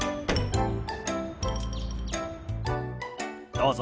どうぞ。